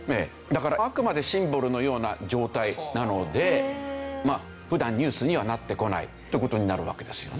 だからあくまでシンボルのような状態なので普段ニュースにはなってこないって事になるわけですよ。